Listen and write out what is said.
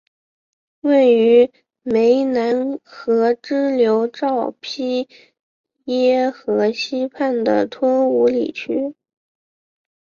位于湄南河支流昭披耶河西畔的吞武里区。